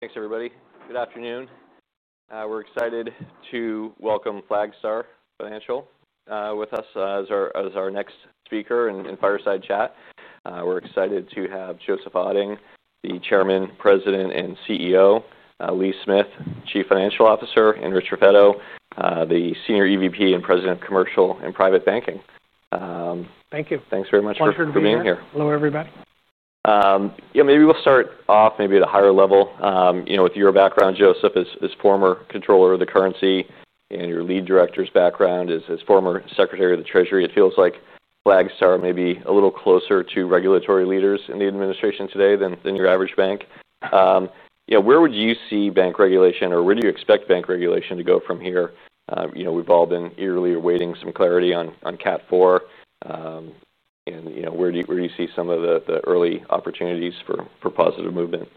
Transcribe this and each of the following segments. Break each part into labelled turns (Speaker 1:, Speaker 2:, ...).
Speaker 1: Thanks, everybody. Good afternoon. We're excited to welcome Flagstar Financial with us as our next speaker in Fireside Chat. We're excited to have Joseph Otting, the Chairman, President, and CEO; Lee Smith, Chief Financial Officer; and Richard Raffetto, the Senior Executive Vice President and President of Commercial and Private Banking.
Speaker 2: Thank you.
Speaker 1: Thanks very much.
Speaker 2: Pleasure to be here. Hello, everybody.
Speaker 1: Maybe we'll start off at a higher level. With your background, Joseph, as former Comptroller of the Currency, and your Lead Director's background as former Secretary of the Treasury, it feels like Flagstar may be a little closer to regulatory leaders in the administration today than your average bank. Where would you see bank regulation or where do you expect bank regulation to go from here? We've all been eagerly awaiting some clarity on Cat 4. Where do you see some of the early opportunities for positive movement?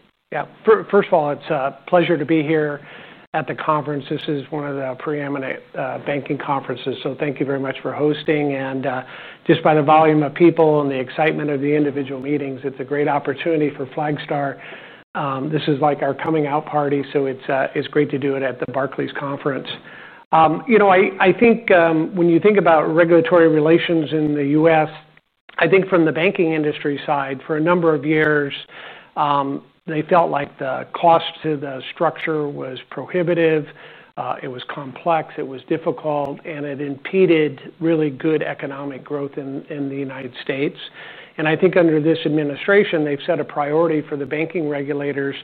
Speaker 2: First of all, it's a pleasure to be here at the conference. This is one of the preeminent banking conferences, so thank you very much for hosting. Just by the volume of people and the excitement of the individual meetings, it's a great opportunity for Flagstar. This is like our coming-out party, so it's great to do it at the Barclays conference. When you think about regulatory relations in the U.S., from the banking industry side, for a number of years, they felt like the cost to the structure was prohibitive. It was complex. It was difficult. It impeded really good economic growth in the United States. I think under this administration, they've set a priority for the banking regulators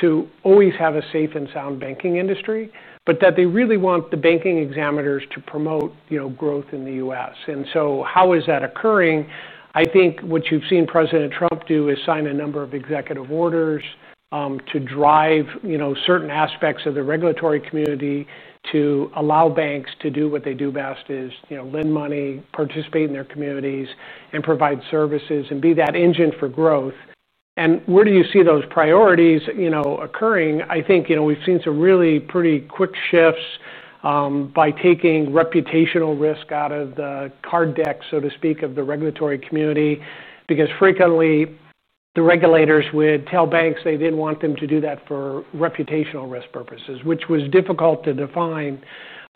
Speaker 2: to always have a safe and sound banking industry, but they really want the banking examiners to promote growth in the U.S. How is that occurring? I think what you've seen President Trump do is sign a number of executive orders to drive certain aspects of the regulatory community to allow banks to do what they do best, which is lend money, participate in their communities, and provide services and be that engine for growth. Where do you see those priorities occurring? I think we've seen some really pretty quick shifts by taking reputational risk out of the card deck, so to speak, of the regulatory community. Frequently, the regulators would tell banks they didn't want them to do that for reputational risk purposes, which was difficult to define.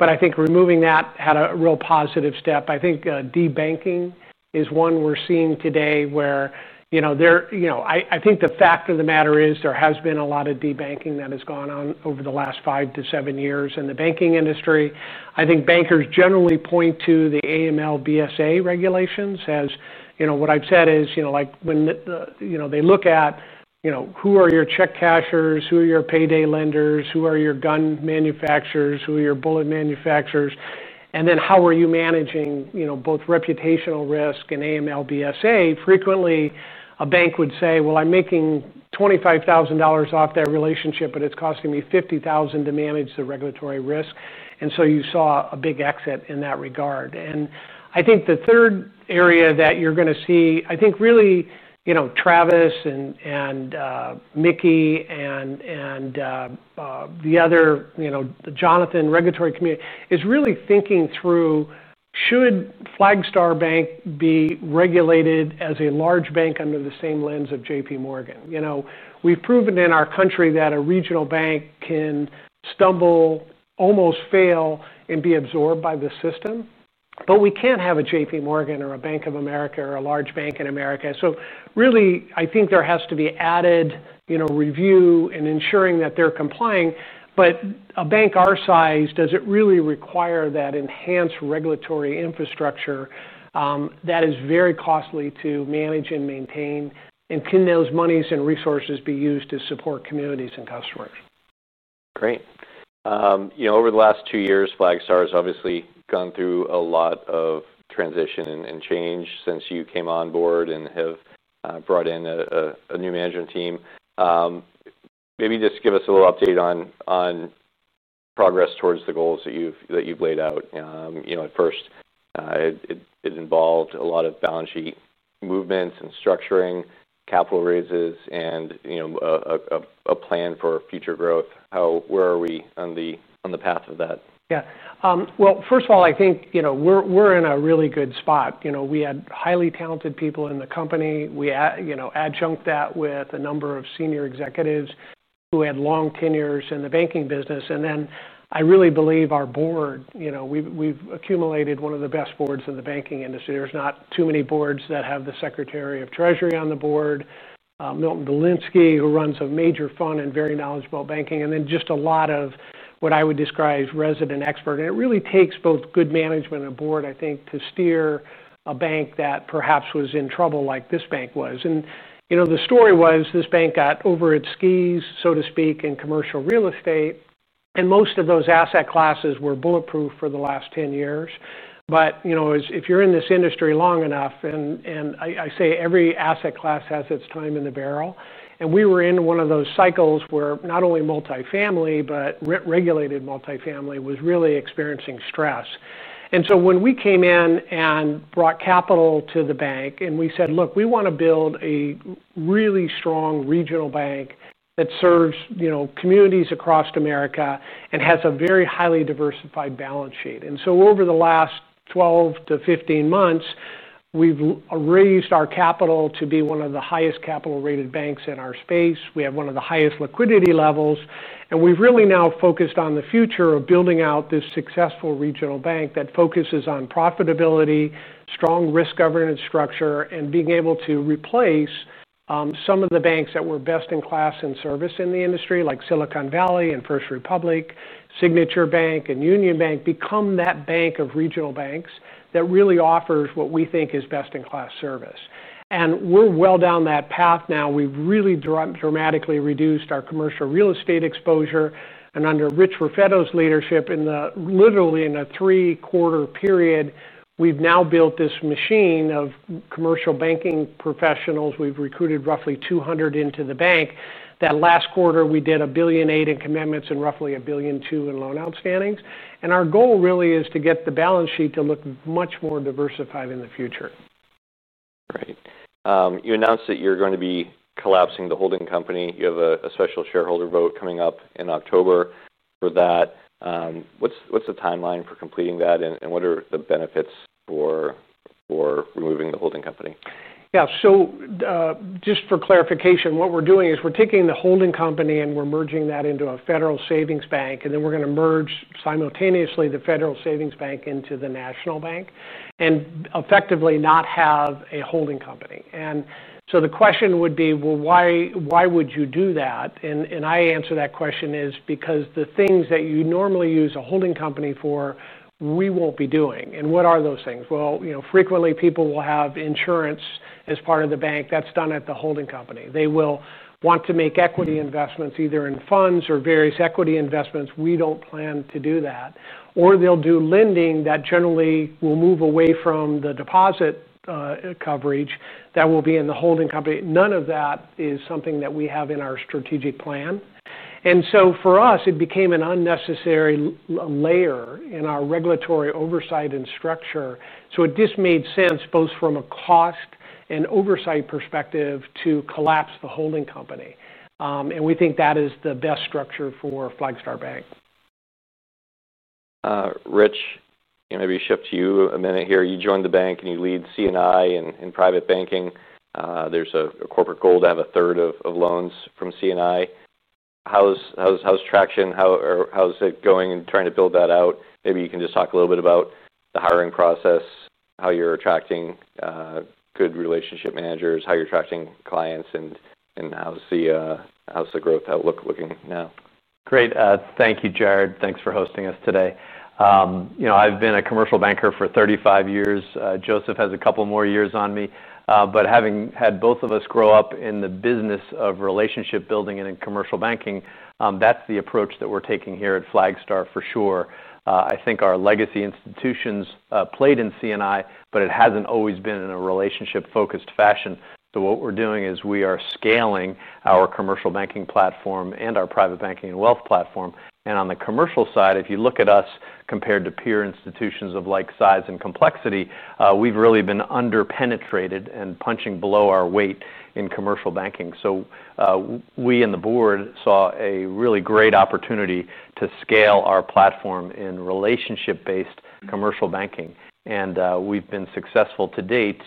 Speaker 2: I think removing that had a real positive step. Debanking is one we're seeing today where the fact of the matter is there has been a lot of debanking that has gone on over the last five to seven years in the banking industry. Bankers generally point to the AML/BSA regulations as what I've said is, when they look at who are your check cashers, who are your payday lenders, who are your gun manufacturers, who are your bullet manufacturers, and then how are you managing both reputational risk and AML/BSA. Frequently, a bank would say, I'm making $25,000 off that relationship, but it's costing me $50,000 to manage the regulatory risk. You saw a big exit in that regard. I think the third area that you're going to see, I think really, you know, Travis and Mickey and the other, you know, Jonathan, regulatory community is really thinking through, should Flagstar Bank be regulated as a large bank under the same lens of JPMorgan? We've proven in our country that a regional bank can stumble, almost fail, and be absorbed by the system. We can't have a JPMorgan or a Bank of America or a large bank in America. I think there has to be added review and ensuring that they're complying. A bank our size doesn't really require that enhanced regulatory infrastructure. That is very costly to manage and maintain. Can those monies and resources be used to support communities and customers?
Speaker 1: Great. Over the last two years, Flagstar has obviously gone through a lot of transition and change since you came on board and have brought in a new management team. Maybe just give us a little update on progress towards the goals that you've laid out. At first, it involved a lot of balance sheet movements and structuring, capital raises, and a plan for future growth. Where are we on the path of that?
Speaker 2: Yeah. First of all, I think we're in a really good spot. We had highly talented people in the company. We adjunct that with a number of senior executives who had long tenures in the banking business. I really believe our board, we've accumulated one of the best boards in the banking industry. There's not too many boards that have the Secretary of Treasury on the board, Belinsky, who runs a major fund and is very knowledgeable about banking, and then just a lot of what I would describe as resident experts. It really takes both good management and a board, I think, to steer a bank that perhaps was in trouble like this bank was. The story was this bank got over its skis, so to speak, in commercial real estate. Most of those asset classes were bulletproof for the last 10 years. If you're in this industry long enough, I say every asset class has its time in the barrel. We were in one of those cycles where not only multifamily, but rent-regulated multifamily was really experiencing stress. When we came in and brought capital to the bank, we said, look, we want to build a really strong regional bank that serves communities across America and has a very highly diversified balance sheet. Over the last 12-15 months, we've raised our capital to be one of the highest capital-rated banks in our space. We have one of the highest liquidity levels. We've really now focused on the future of building out this successful regional bank that focuses on profitability, strong risk governance structure, and being able to replace some of the banks that were best in class and service in the industry, like Silicon Valley Bank and First Republic, Signature Bank, and Union Bank, become that bank of regional banks that really offers what we think is best in class service. We're well down that path now. We've really dramatically reduced our commercial real estate exposure. Under Richard Raffetto's leadership, literally in a three-quarter period, we've now built this machine of commercial banking professionals. We've recruited roughly 200 into the bank. That last quarter, we did $1.8 billion in commitments and roughly $1.2 billion in loan outstandings. Our goal really is to get the balance sheet to look much more diversified in the future.
Speaker 1: Great. You announced that you're going to be collapsing the holding company. You have a special shareholder vote coming up in October for that. What's the timeline for completing that? What are the benefits for removing the holding company?
Speaker 2: Yeah, so just for clarification, what we're doing is we're taking the holding company and we're merging that into a federal savings bank. Then we're going to merge simultaneously the federal savings bank into the national bank and effectively not have a holding company. The question would be, why would you do that? I answer that question because the things that you normally use a holding company for, we won't be doing. What are those things? Frequently, people will have insurance as part of the bank that's done at the holding company. They will want to make equity investments either in funds or various equity investments. We don't plan to do that. Or they'll do lending that generally will move away from the deposit coverage that will be in the holding company. None of that is something that we have in our strategic plan. For us, it became an unnecessary layer in our regulatory oversight and structure. It just made sense both from a cost and oversight perspective to collapse the holding company. We think that is the best structure for Flagstar Bank.
Speaker 1: Rich, maybe shift to you a minute here. You joined the bank and you lead C&I in private banking. There's a corporate goal to have a third of loans from C&I. How's traction? How's it going and trying to build that out? Maybe you can just talk a little bit about the hiring process, how you're attracting good relationship managers, how you're attracting clients, and how's the growth looking now?
Speaker 3: Great. Thank you, Jared. Thanks for hosting us today. You know, I've been a commercial banker for 35 years. Joseph has a couple more years on me. Having had both of us grow up in the business of relationship building and in commercial banking, that's the approach that we're taking here at Flagstar for sure. I think our legacy institutions played in C&I, but it hasn't always been in a relationship-focused fashion. What we're doing is we are scaling our commercial banking platform and our private banking and wealth platform. On the commercial side, if you look at us compared to peer institutions of like size and complexity, we've really been underpenetrated and punching below our weight in commercial banking. We and the board saw a really great opportunity to scale our platform in relationship-based commercial banking. We've been successful to date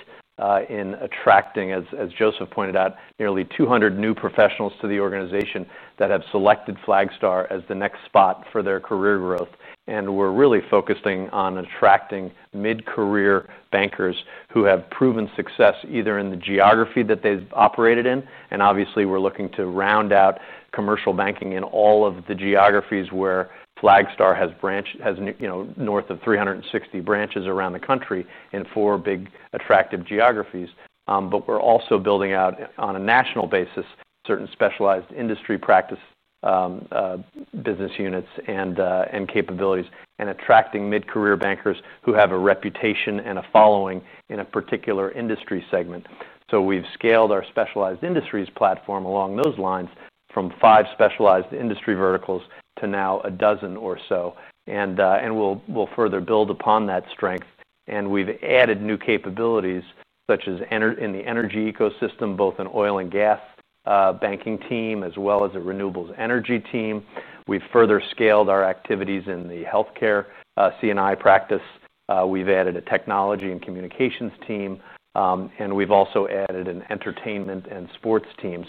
Speaker 3: in attracting, as Joseph pointed out, nearly 200 new professionals to the organization that have selected Flagstar as the next spot for their career growth. We're really focusing on attracting mid-career bankers who have proven success either in the geography that they've operated in. Obviously, we're looking to round out commercial banking in all of the geographies where Flagstar has north of 360 branches around the country in four big attractive geographies. We're also building out on a national basis certain specialized industry practice business units and capabilities and attracting mid-career bankers who have a reputation and a following in a particular industry segment. We've scaled our specialized industries platform along those lines from five specialized industry verticals to now a dozen or so. We'll further build upon that strength. We've added new capabilities such as in the energy ecosystem, both an oil and gas banking team as well as a renewables energy team. We've further scaled our activities in the healthcare C&I practice. We've added a technology and communications team. We've also added an entertainment and sports team.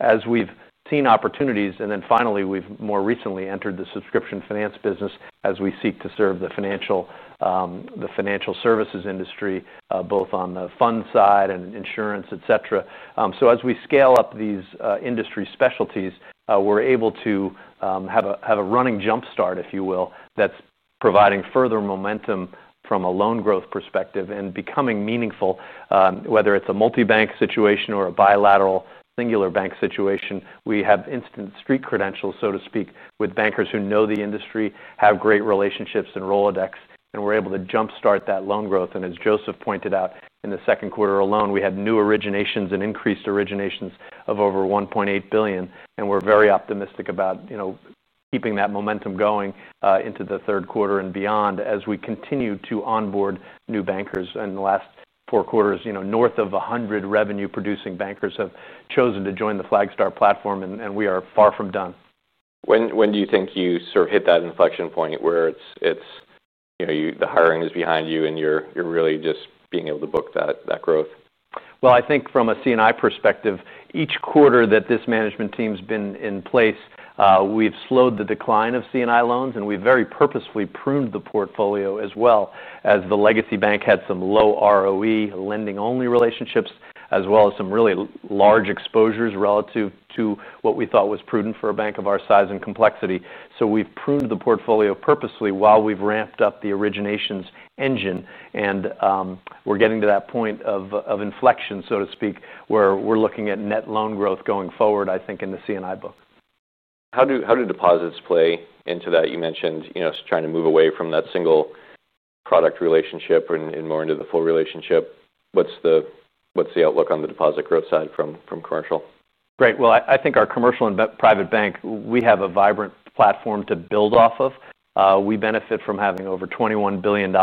Speaker 3: As we've seen opportunities, we've more recently entered the subscription finance business as we seek to serve the financial services industry, both on the fund side and insurance, et cetera. As we scale up these industry specialties, we're able to have a running jumpstart, if you will, that's providing further momentum from a loan growth perspective and becoming meaningful. Whether it's a multi-bank situation or a bilateral singular bank situation, we have instant street credentials, so to speak, with bankers who know the industry, have great relationships and Rolodex. We're able to jumpstart that loan growth. As Joseph pointed out, in the second quarter alone, we had new originations and increased originations of over $1.8 billion. We're very optimistic about keeping that momentum going into the third quarter and beyond as we continue to onboard new bankers. In the last four quarters, north of 100 revenue-producing bankers have chosen to join the Flagstar platform, and we are far from done.
Speaker 1: When do you think you sort of hit that inflection point where the hiring is behind you and you're really just being able to book that growth?
Speaker 3: From a C&I perspective, each quarter that this management team's been in place, we've slowed the decline of C&I loans. We've very purposefully pruned the portfolio, as the legacy bank had some low ROE lending-only relationships, as well as some really large exposures relative to what we thought was prudent for a bank of our size and complexity. We've pruned the portfolio purposely while we've ramped up the originations engine, and we're getting to that point of inflection, so to speak, where we're looking at net loan growth going forward, I think, in the C&I book.
Speaker 1: How do deposits play into that? You mentioned trying to move away from that single product relationship and more into the full relationship. What's the outlook on the deposit growth side from commercial?
Speaker 3: Great. I think our commercial and private bank, we have a vibrant platform to build off of. We benefit from having over $21 billion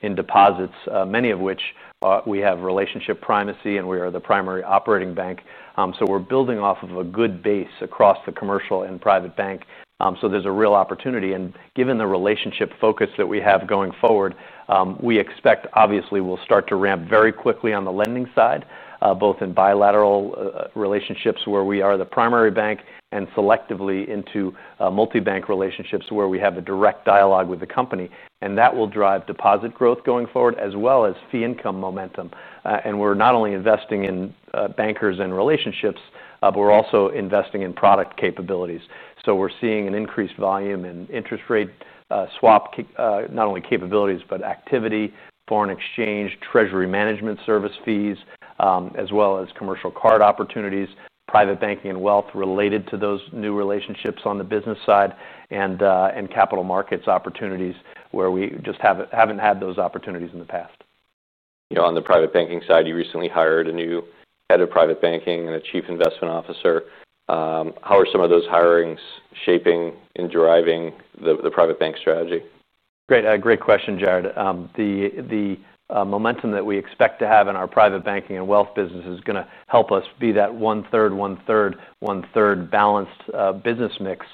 Speaker 3: in deposits, many of which we have relationship primacy, and we are the primary operating bank. We're building off of a good base across the commercial and private bank. There's a real opportunity. Given the relationship focus that we have going forward, we expect obviously we'll start to ramp very quickly on the lending side, both in bilateral relationships where we are the primary bank and selectively into multi-bank relationships where we have a direct dialogue with the company. That will drive deposit growth going forward, as well as fee income momentum. We're not only investing in bankers and relationships, but we're also investing in product capabilities. We're seeing an increased volume in interest rate swap, not only capabilities, but activity, foreign exchange, treasury management service fees, as well as commercial card opportunities, private banking and wealth related to those new relationships on the business side, and capital markets opportunities where we just haven't had those opportunities in the past.
Speaker 1: You know, on the private banking side, you recently hired a new Head of Private Banking and a Chief Investment Officer. How are some of those hirings shaping and driving the private bank strategy?
Speaker 3: Great question, Jared. The momentum that we expect to have in our private banking and wealth business is going to help us be that one-third, one-third, one-third balanced business mix,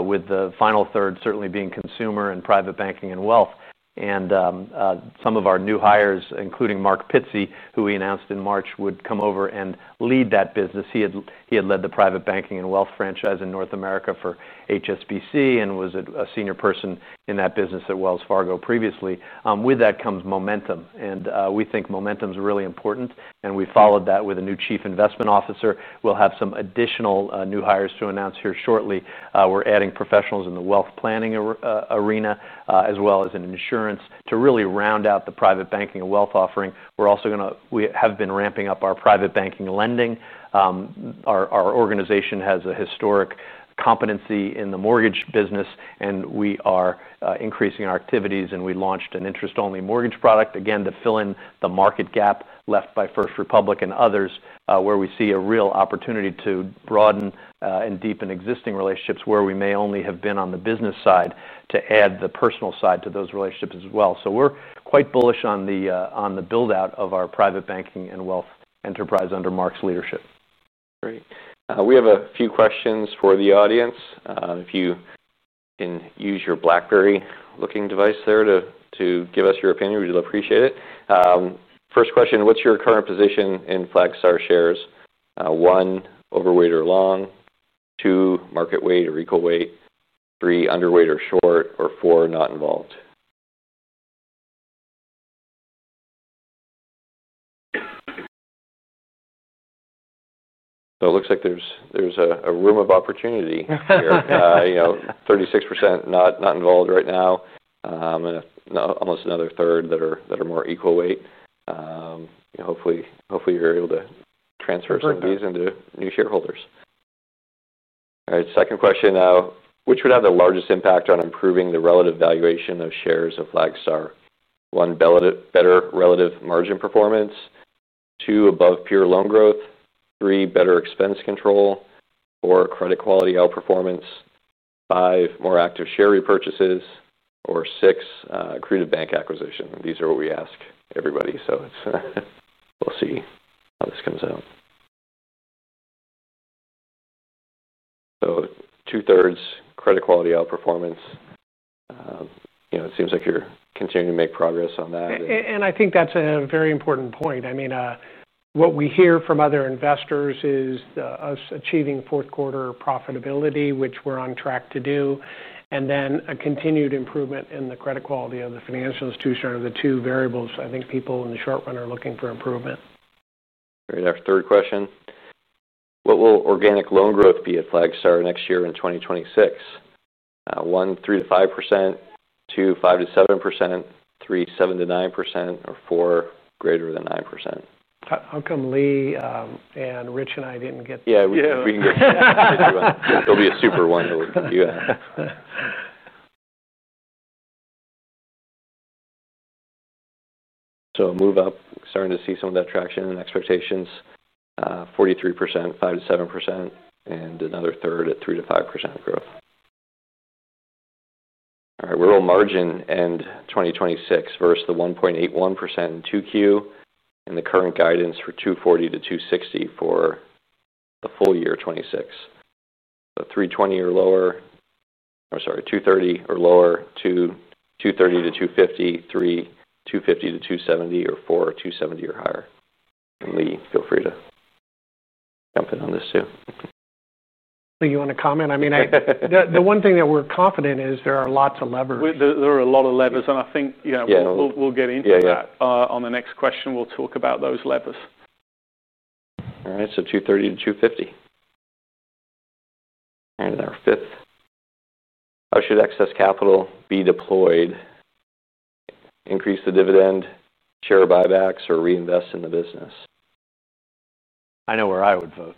Speaker 3: with the final third certainly being consumer and private banking and wealth. Some of our new hires, including Mark Pitzer, who we announced in March, would come over and lead that business. He had led the private banking and wealth franchise in North America for HSBC and was a senior person in that business at Wells Fargo previously. With that comes momentum. We think momentum is really important. We followed that with a new Chief Investment Officer. We'll have some additional new hires to announce here shortly. We're adding professionals in the wealth planning arena, as well as in insurance, to really round out the private banking and wealth offering. We have been ramping up our private banking lending. Our organization has a historic competency in the mortgage business, and we are increasing our activities. We launched an interest-only mortgage product, again, to fill in the market gap left by [First Republic] and others, where we see a real opportunity to broaden and deepen existing relationships where we may only have been on the business side to add the personal side to those relationships as well. We're quite bullish on the build-out of our private banking and wealth enterprise under Mark's leadership.
Speaker 1: Great. We have a few questions for the audience. If you can use your BlackBerry-looking device there to give us your opinion, we'd really appreciate it. First question, what's your current position in Flagstar shares? One, overweight or long? Two, market weight or equal weight? Three, underweight or short? Four, not involved? It looks like there's a room of opportunity here. You know, 36% not involved right now. Almost another third that are more equal weight. Hopefully, you're able to transfer some of these into new shareholders. All right, second question now. Which would have the largest impact on improving the relative valuation of shares of Flagstar? One, better relative margin performance. Two, above peer loan growth. Three, better expense control. Four, credit quality outperformance. Five, more active share repurchases. Six, accredited bank acquisition. These are what we ask everybody. We'll see how this comes out. Two-thirds credit quality outperformance. It seems like you're continuing to make progress on that.
Speaker 2: I think that's a very important point. What we hear from other investors is us achieving fourth quarter profitability, which we're on track to do, and then a continued improvement in the credit quality of the financial institution are the two variables I think people in the short run are looking for improvement.
Speaker 1: All right, next, third question. What will organic loan growth be at Flagstar next year in 2026? One, 3% to 5%. Two, 5%-7%. Three, 7%-9%. Four, greater than 9%.
Speaker 2: How come Lee, Rich, and I didn't get?
Speaker 1: Yeah, we can get you. It'll be a super one. Move up, starting to see some of that traction and expectations. 43%, 5% to 7%, and another third at 3% to 5% growth. All right, what will margin end 2026 versus the 1.81% in 2Q and the current guidance for 2.40% to 2.60% for the full year 2026? 3.20% or lower. I'm sorry, 2.30% or lower. Two, 2.30% to 2.50%. Three, 2.50% to 2.70%. Four, 2.70% or higher. Lee, feel free to jump in on this too.
Speaker 2: Lee, you want to comment? I mean, the one thing that we're confident in is there are lots of levers.
Speaker 4: There are a lot of levers. I think we'll get into that. On the next question, we'll talk about those levers.
Speaker 1: All right, so 230% to 250%. Our fifth, how should excess capital be deployed? Increase the dividend, share buybacks, or reinvest in the business?
Speaker 3: I know where I would vote.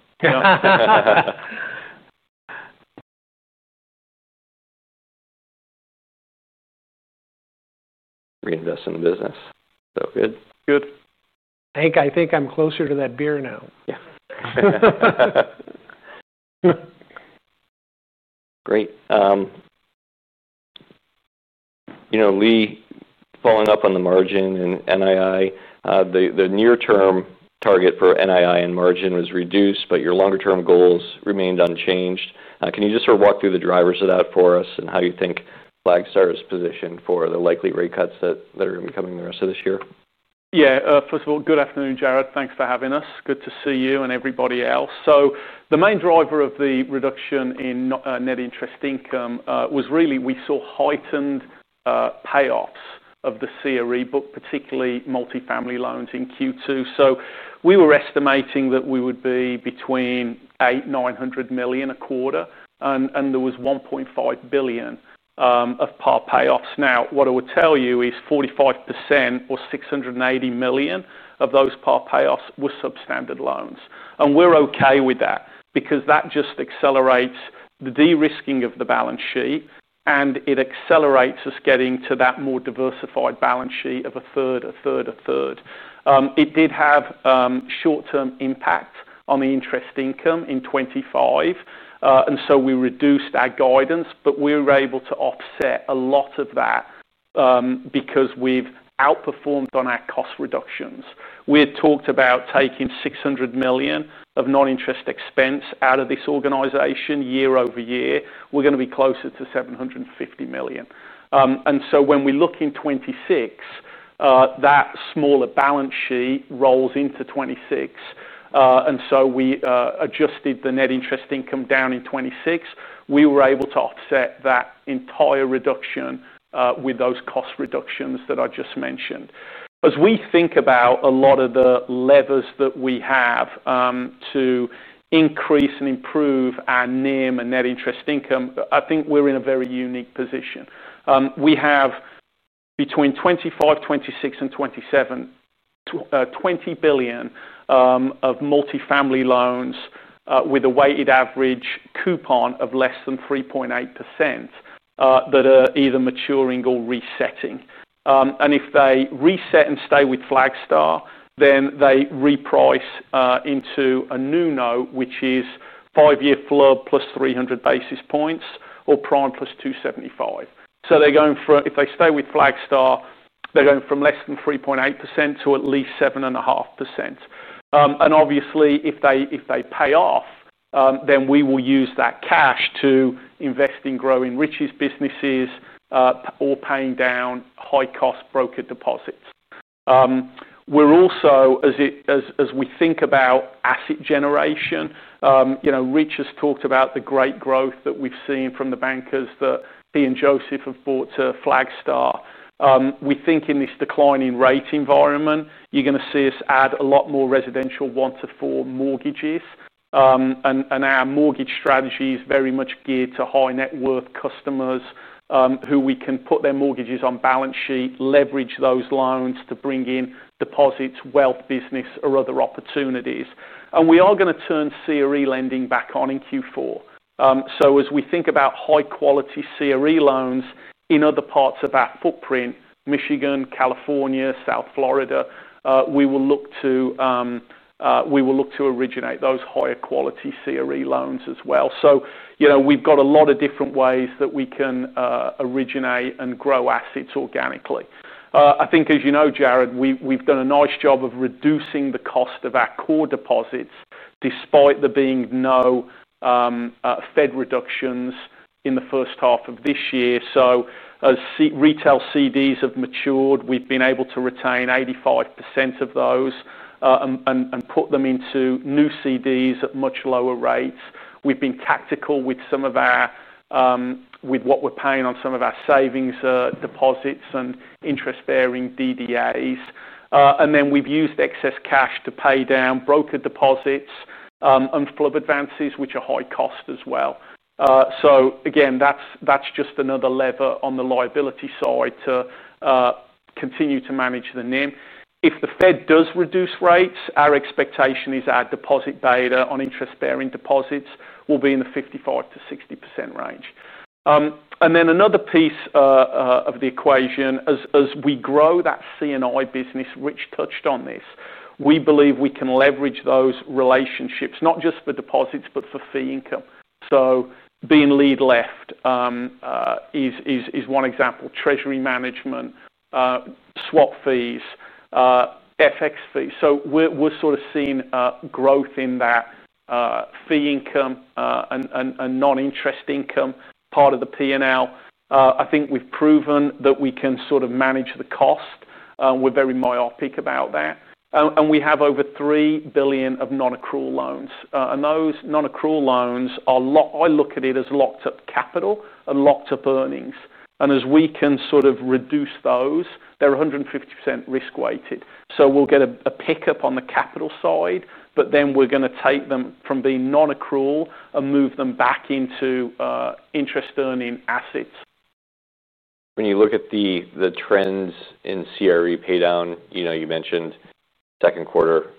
Speaker 1: Reinvest in the business. Good.
Speaker 2: Hank, I think I'm closer to that beer now.
Speaker 1: Great. Lee, following up on the margin and NII, the near-term target for NII and margin was reduced, but your longer-term goals remained unchanged. Can you just sort of walk through the drivers of that for us and how you think Flagstar is positioned for the likely rate cuts that are going to be coming in the rest of this year?
Speaker 4: Yeah, first of all, good afternoon, Jared. Thanks for having us. Good to see you and everybody else. The main driver of the reduction in net interest income was really we saw heightened payoffs of the CRE book, particularly multifamily loans in Q2. We were estimating that we would be between $800 million to $900 million a quarter, and there was $1.5 billion of par payoffs. What I would tell you is 45% or $680 million of those par payoffs were substandard loans. We're OK with that because that just accelerates the de-risking of the balance sheet, and it accelerates us getting to that more diversified balance sheet of a third, a third, a third. It did have short-term impact on the interest income in 2025, and we reduced our guidance. We were able to offset a lot of that because we've outperformed on our cost reductions. We had talked about taking $600 million of non-interest expense out of this organization year-over-year. We're going to be closer to $750 million. When we look in 2026, that smaller balance sheet rolls into 2026, and we adjusted the net interest income down in 2026. We were able to offset that entire reduction with those cost reductions that I just mentioned. As we think about a lot of the levers that we have to increase and improve our NIIM and net interest income, I think we're in a very unique position. We have between 2025, 2026, and 2027 $20 billion of multifamily loans with a weighted average coupon of less than 3.8% that are either maturing or resetting. If they reset and stay with Flagstar, then they reprice into a NUNO, which is five-year flood plus 300 basis points or prime plus 275. If they stay with Flagstar, they're going from less than 3.8% to at least 7.5%. Obviously, if they pay off, we will use that cash to invest in growing Rich's businesses or paying down high-cost broker deposits. As we think about asset generation, Rich has talked about the great growth that we've seen from the bankers that he and Joseph have brought to Flagstar. We think in this declining rate environment, you're going to see us add a lot more residential one-to-four mortgages. Our mortgage strategy is very much geared to high net worth customers who we can put their mortgages on balance sheet, leverage those loans to bring in deposits, wealth business, or other opportunities. We are going to turn CRE lending back on in Q4. As we think about high-quality CRE loans in other parts of our footprint, Michigan, California, South Florida, we will look to originate those higher-quality CRE loans as well. We've got a lot of different ways that we can originate and grow assets organically. I think, as you know, Jared, we've done a nice job of reducing the cost of our core deposits despite there being no Fed reductions in the first half of this year. As retail CDs have matured, we've been able to retain 85% of those and put them into new CDs at much lower rates. We've been tactical with what we're paying on some of our savings deposits and interest-bearing DDAs. We've used excess cash to pay down broker deposits and FHLB advances, which are high cost as well. That's just another lever on the liability side to continue to manage the NIIM. If the Fed does reduce rates, our expectation is our deposit beta on interest-bearing deposits will be in the 55% to 60% range. Another piece of the equation, as we grow that C&I business, Rich touched on this, we believe we can leverage those relationships not just for deposits, but for fee income. Being lead left is one example. Treasury management, swap fees, FX fees. We're sort of seeing growth in that fee income and non-interest income part of the P&L. I think we've proven that we can sort of manage the cost. We're very myopic about that. We have over $3 billion of non-accrual loans. Those non-accrual loans are locked. I look at it as locked-up capital and locked-up earnings. As we can sort of reduce those, they're 150% risk-weighted. We'll get a pickup on the capital side. We're going to take them from being non-accrual and move them back into interest-earning assets.
Speaker 1: When you look at the trends in CRE paydown, you mentioned second quarter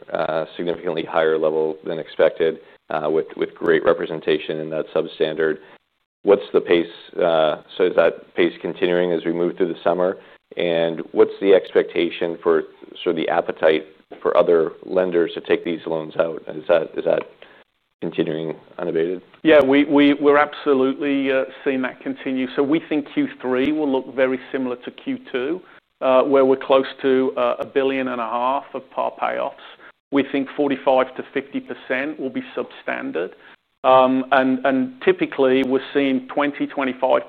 Speaker 1: significantly higher level than expected with great representation in that substandard. What's the pace? Is that pace continuing as we move through the summer? What's the expectation for sort of the appetite for other lenders to take these loans out? Is that continuing unabated?
Speaker 4: Yeah, we're absolutely seeing that continue. We think Q3 will look very similar to Q2, where we're close to $1.5 billion of par payoffs. We think 45% to 50% will be substandard. Typically, we're seeing 20% to 25%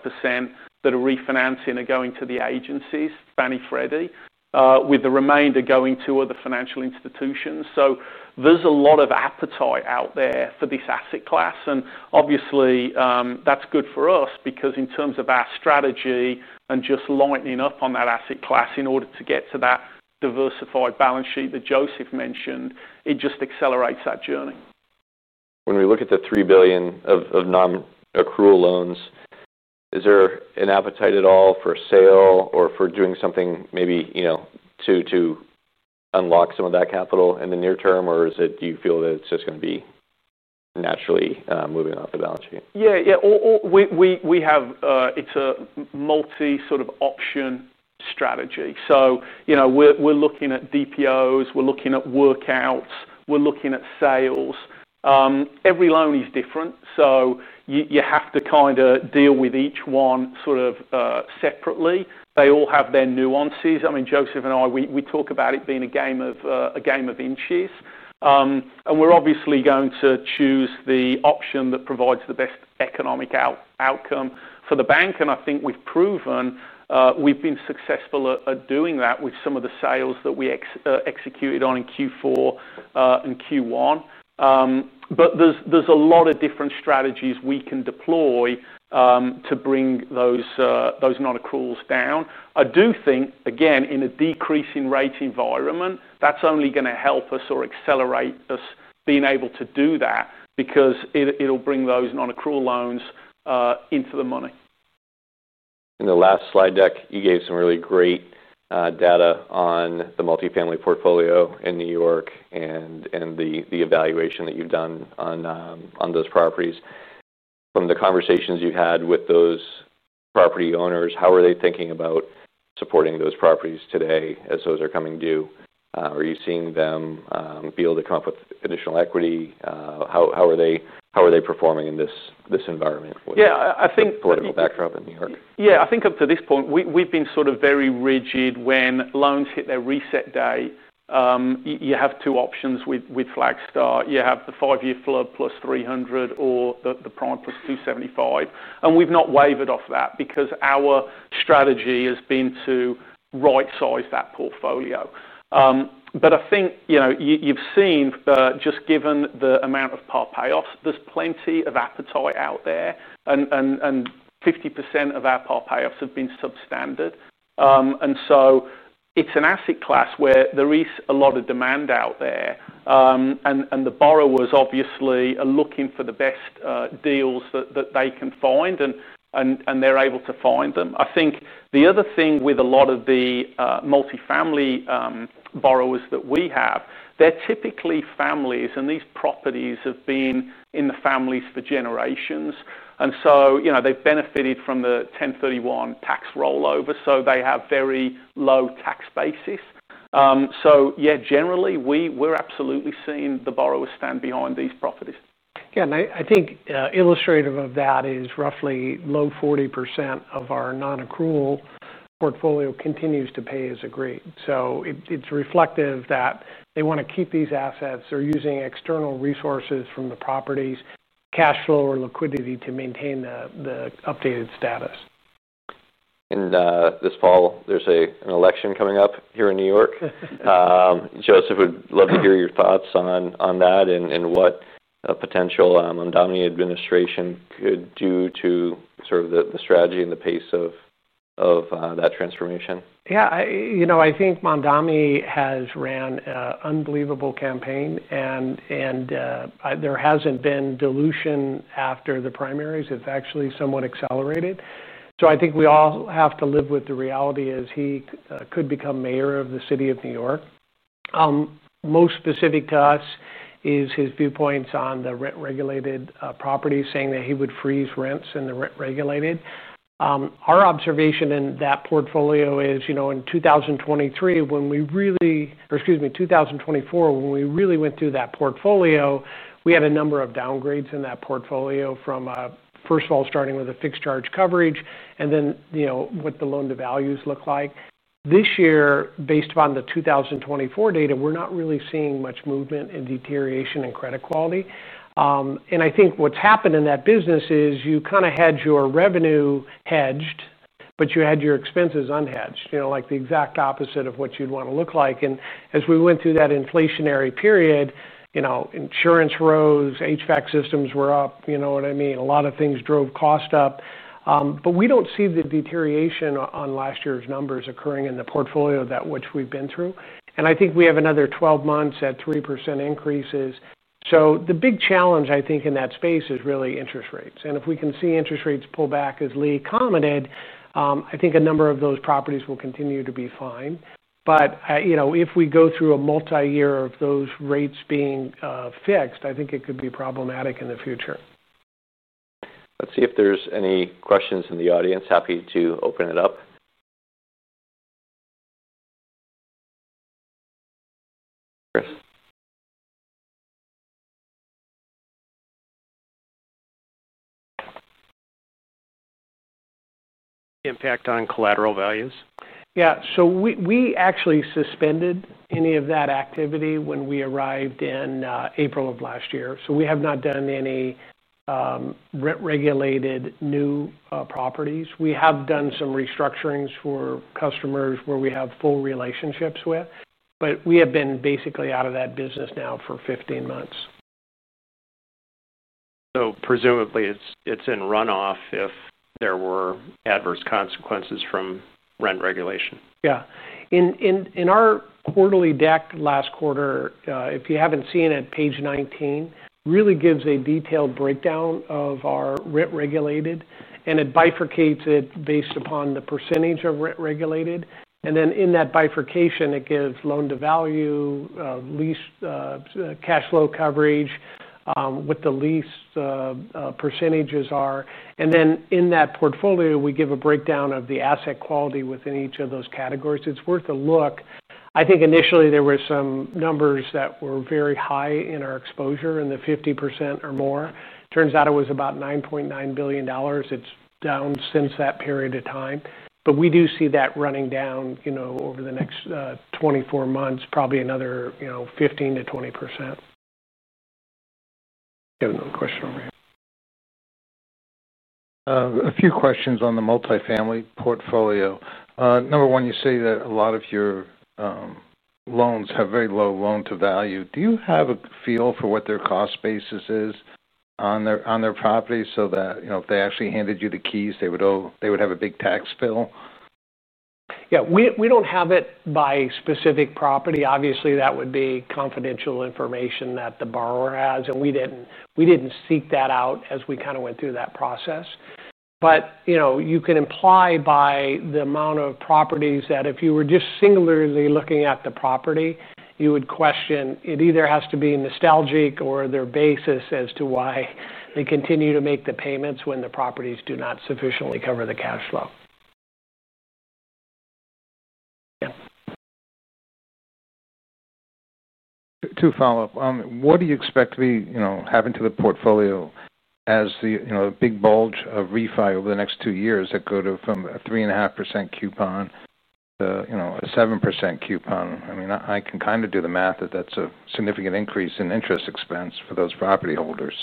Speaker 4: that are refinancing are going to the agencies, Fannie and Freddie, with the remainder going to other financial institutions. There's a lot of appetite out there for this asset class. Obviously, that's good for us because in terms of our strategy and just lightening up on that asset class in order to get to that diversified balance sheet that Joseph mentioned, it just accelerates that journey.
Speaker 1: When we look at the $3 billion of non-accrual loans, is there an appetite at all for a sale or for doing something, maybe, you know, to unlock some of that capital in the near term? Or do you feel that it's just going to be naturally moving off the balance sheet?
Speaker 4: Yeah, yeah. We have, it's a multi-sort of option strategy. You know, we're looking at DPOs, we're looking at workouts, we're looking at sales. Every loan is different, so you have to kind of deal with each one separately. They all have their nuances. I mean, Joseph and I, we talk about it being a game of inches. We're obviously going to choose the option that provides the best economic outcome for the bank. I think we've proven we've been successful at doing that with some of the sales that we executed on in Q4 and Q1. There's a lot of different strategies we can deploy to bring those non-accruals down. I do think, again, in a decreasing rate environment, that's only going to help us or accelerate us being able to do that because it'll bring those non-accrual loans into the money.
Speaker 1: In the last slide deck, you gave some really great data on the multifamily portfolio in New York and the evaluation that you've done on those properties. From the conversations you've had with those property owners, how are they thinking about supporting those properties today as those are coming due? Are you seeing them be able to come up with additional equity? How are they performing in this environment with the political backdrop in New York?
Speaker 4: Yeah, I think up to this point, we've been sort of very rigid. When loans hit their reset day, you have two options with Flagstar. You have the five-year flood plus 300% or the prime plus 275%. We've not wavered off that because our strategy has been to right-size that portfolio. I think you've seen, just given the amount of par payoffs, there's plenty of appetite out there. 50% of our par payoffs have been substandard. It's an asset class where there is a lot of demand out there. The borrowers obviously are looking for the best deals that they can find, and they're able to find them. I think the other thing with a lot of themultifamily borrowers that we have, they're typically families, and these properties have been in the families for generations. They've benefited from the 1031 tax rollover, so they have very low tax basis. Yeah, generally, we're absolutely seeing the borrowers stand behind these properties.
Speaker 2: I think illustrative of that is roughly low 40% of our non-accrual portfolio continues to pay as agreed. It's reflective that they want to keep these assets. They're using external resources from the properties, cash flow, or liquidity to maintain the updated status.
Speaker 1: This fall, there's an election coming up here in New York. Joseph would love to hear your thoughts on that and what a potential Mondami administration could do to sort of the strategy and the pace of that transformation.
Speaker 2: Yeah, you know, I think Mondami has run an unbelievable campaign. There hasn't been dilution after the primaries. It's actually somewhat accelerated. I think we all have to live with the reality he could become mayor of the city of New York. Most specific to us is his viewpoints on the rent-regulated properties, saying that he would freeze rents in the rent-regulated. Our observation in that portfolio is, in 2023, when we really, or excuse me, 2024, when we really went through that portfolio, we had a number of downgrades in that portfolio, starting with a fixed charge coverage and then what the loan-to-values look like. This year, based upon the 2024 data, we're not really seeing much movement in deterioration in credit quality. I think what's happened in that business is you kind of had your revenue hedged, but you had your expenses unhedged, like the exact opposite of what you'd want to look like. As we went through that inflationary period, insurance rose, HVAC systems were up, a lot of things drove cost up. We don't see the deterioration on last year's numbers occurring in the portfolio that we've been through. I think we have another 12 months at 3% increases. The big challenge in that space is really interest rates. If we can see interest rates pull back, as Lee commented, I think a number of those properties will continue to be fine. If we go through a multi-year of those rates being fixed, I think it could be problematic in the future.
Speaker 1: Let's see if there's any questions in the audience. Happy to open it up.
Speaker 2: Impact on collateral values? Yeah, we actually suspended any of that activity when we arrived in April of last year. We have not done any rent-regulated new properties. We have done some restructurings for customers where we have full relationships with, but we have been basically out of that business now for 15 months.
Speaker 1: Presumably, it's in runoff if there were adverse consequences from rent regulation.
Speaker 2: Yeah. In our quarterly deck last quarter, if you haven't seen it, page 19 really gives a detailed breakdown of our rent-regulated. It bifurcates it based upon the percentage of rent-regulated, and in that bifurcation, it gives loan-to-value, lease cash flow coverage, what the lease percentages are. In that portfolio, we give a breakdown of the asset quality within each of those categories. It's worth a look. I think initially, there were some numbers that were very high in our exposure in the 50% or more. Turns out it was about $9.9 billion. It's down since that period of time. We do see that running down over the next 24 months, probably another 15% -20%.
Speaker 1: We have another question over here.
Speaker 5: A few questions on the multifamily portfolio. Number one, you say that a lot of your loans have very low loan-to-value. Do you have a feel for what their cost basis is on their property so that, you know, if they actually handed you the keys, they would have a big tax bill?
Speaker 2: Yeah, we don't have it by specific property. Obviously, that would be confidential information that the borrower has. We didn't seek that out as we kind of went through that process. You can imply by the amount of properties that if you were just singularly looking at the property, you would question it either has to be nostalgic or their basis as to why they continue to make the payments when the properties do not sufficiently cover the cash flow.
Speaker 5: To follow up, what do you expect to be having to the portfolio as the big bulge of refi over the next two years that go to from a 3.5% coupon to a 7% coupon? I mean, I can kind of do the math that that's a significant increase in interest expense for those property holders.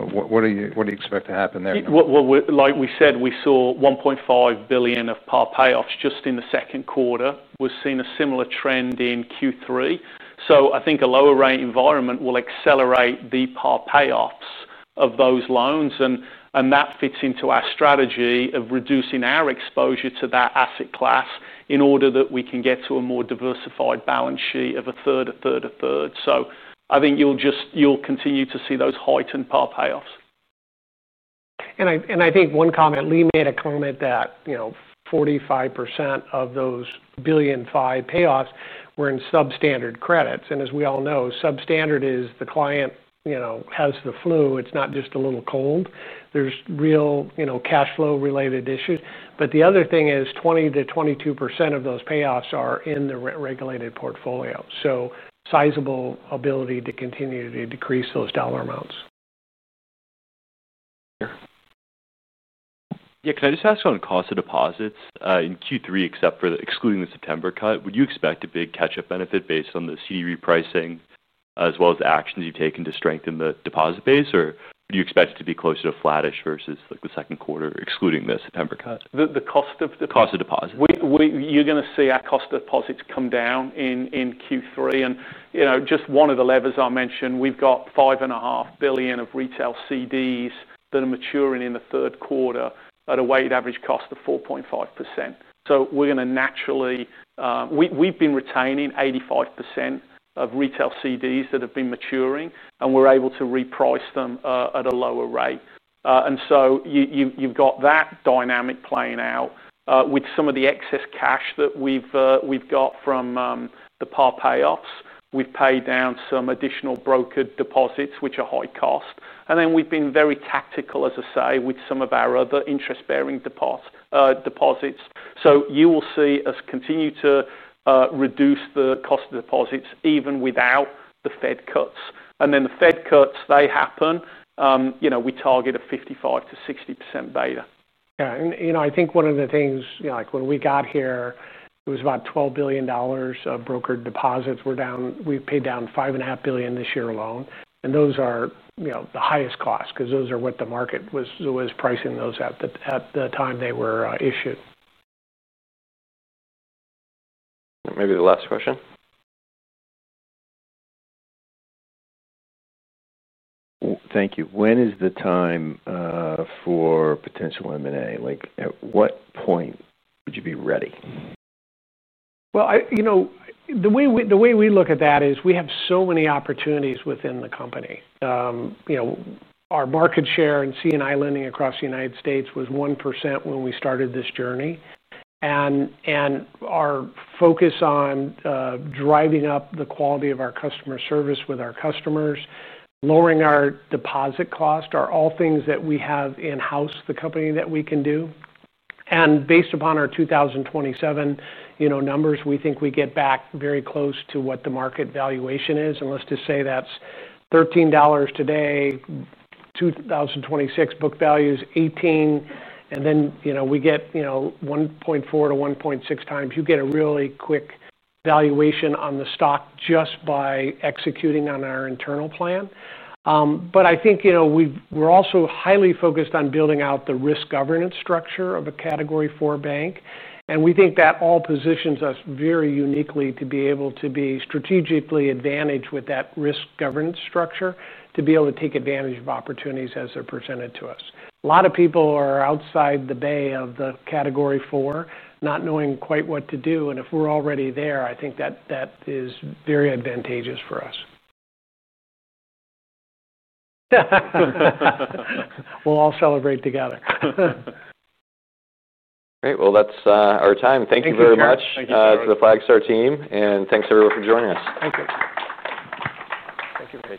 Speaker 5: What do you expect to happen there?
Speaker 4: Like we said, we saw $1.5 billion of par payoffs just in the second quarter. We've seen a similar trend in Q3. I think a lower rate environment will accelerate the par payoffs of those loans. That fits into our strategy of reducing our exposure to that asset class in order that we can get to a more diversified balance sheet of a third, a third, a third. I think you'll just continue to see those heightened par payoffs.
Speaker 2: I think one comment, Lee made a comment that, you know, 45% of those $1.5 billion payoffs were in substandard credits. As we all know, substandard is the client, you know, has the flu. It's not just a little cold. There's real, you know, cash flow-related issues. The other thing is 20% to soo 22% of those payoffs are in the rent-regulated portfolio. Sizable ability to continue to decrease those dollar amounts.
Speaker 5: Can I just ask on cost of deposits in Q3, except for excluding the September cut? Would you expect a big catch-up benefit based on the CD re-pricing as well as the actions you've taken to strengthen the deposit base? Or do you expect it to be closer to flattish versus like the second quarter, excluding the September cut the cost of deposits?
Speaker 4: You are going to see our cost of deposits come down in Q3. Just one of the levers I mentioned, we have $5.5 billion of retail CDs that are maturing in the third quarter at a weighted average cost of 4.5%. We have been retaining 85% of retail CDs that have been maturing, and we are able to reprice them at a lower rate. You have that dynamic playing out with some of the excess cash that we have from the par payoffs. We have paid down some additional brokered deposits, which are high cost, and we have been very tactical, as I say, with some of our other interest-bearing deposits. You will see us continue to reduce the cost of deposits even without the Fed cuts. If the Fed cuts happen, we target a 55% to 60% beta.
Speaker 2: I think one of the things, like when we got here, it was about $12 billion of brokered deposits. We've paid down $5.5 billion this year alone. Those are the highest cost because those are what the market was pricing those at the time they were issued.
Speaker 1: Maybe the last question.
Speaker 5: Thank you. When is the time for potential M&A? At what point would you be ready?
Speaker 2: The way we look at that is we have so many opportunities within the company. Our market share in C&I lending across the United States was 1% when we started this journey. Our focus on driving up the quality of our customer service with our customers and lowering our deposit cost are all things that we have in-house, the company that we can do. Based upon our 2027 numbers, we think we get back very close to what the market valuation is. Let's just say that's $13 today, 2026 book value is $18. Then we get 1.4-1.6 times. You get a really quick valuation on the stock just by executing on our internal plan. I think we're also highly focused on building out the risk governance structure of a category four bank. We think that all positions us very uniquely to be able to be strategically advantaged with that risk governance structure to be able to take advantage of opportunities as they're presented to us. A lot of people are outside the bay of the category four, not knowing quite what to do. If we're already there, I think that that is very advantageous for us. We'll all celebrate together.
Speaker 1: Great. That's our time. Thank you very much to the Flagstar team, and thanks, everyone, for joining us.
Speaker 2: Thank you.
Speaker 4: Thank you.